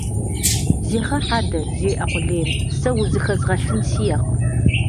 Зегъэхь адэ! - жеӀэ къулейм. - Сэ узыхэзгъэлъын сиӀэкъым.